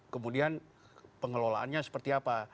kemudian pengelolaannya seperti apa